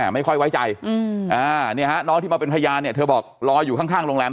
ไม่ค่อยไว้ใจน้องที่มาเป็นพยานเนี่ยเธอบอกรออยู่ข้างโรงแรม